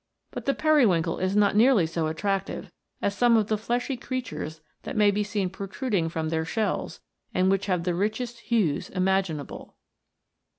But the periwinkle is not nearly so attrac tive as some of the fleshy creatures that may be seen protruding from their shells, and which have the richest hues imaginable.